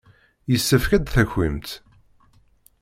Yessefk ad d-takimt.